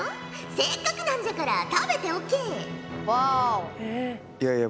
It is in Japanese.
せっかくなんじゃから食べておけ！